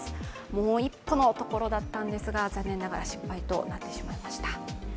もう一歩のところだったんですが、残念ながら失敗となってしまいました。